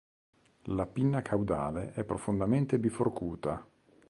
La pinna caudale è profondamente biforcuta.